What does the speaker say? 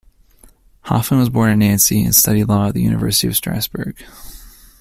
Hoffman was born in Nancy, and studied law at the University of Strasbourg.